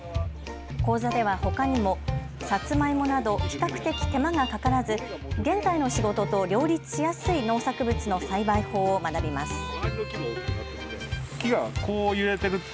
講座ではほかにもサツマイモなど比較的手間がかからず現在の仕事と両立しやすい農作物の栽培法を学びます。